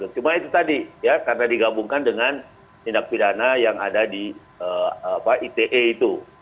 cuma itu tadi ya karena digabungkan dengan tindak pidana yang ada di ite itu